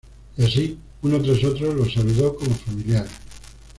Y así, uno tras otro, los saludó como familiares.